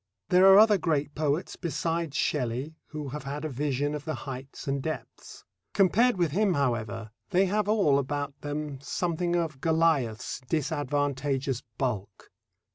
There are other great poets besides Shelley who have had a vision of the heights and depths. Compared with him, however, they have all about them something of Goliath's disadvantageous bulk.